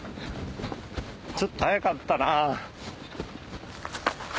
ちょっと早かったな。